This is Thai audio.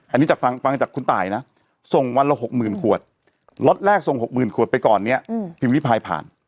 อันนี้จากฟังจากคุณตายนะส่งวันละ๖๐๐๐ขวดล็อตแรกส่ง๖๐๐๐ขวดไปก่อนเนี่ยพิมพ์ริพายผ่าน